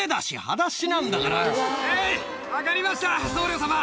分かりました、僧侶様。